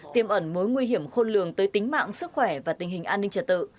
tiêm ẩn mối nguy hiểm khôn lường tới tính mạng sức khỏe và tình hình an ninh trật tự